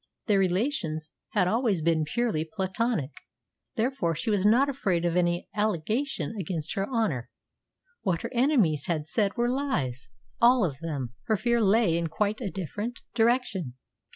Their relations had always been purely platonic; therefore she was not afraid of any allegation against her honour. What her enemies had said were lies all of them. Her fear lay in quite a different direction.